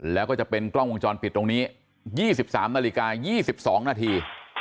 แล้วก็จะเป็นกล้องวงจรปิดตรงนี้๒๓นาฬิกา๒๒นาที